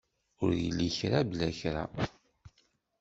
Ur illa kra bla kra.